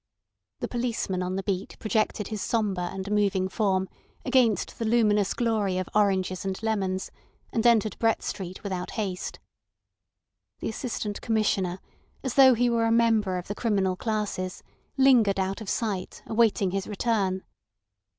The policeman on the beat projected his sombre and moving form against the luminous glory of oranges and lemons, and entered Brett Street without haste. The Assistant Commissioner, as though he were a member of the criminal classes, lingered out of sight, awaiting his return.